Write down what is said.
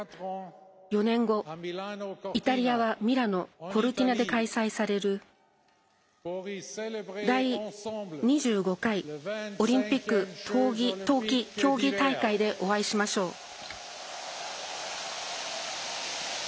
４年後、イタリアはミラノ・コルティナで開催される第２５回オリンピック冬季競技大会でお会いしましょう。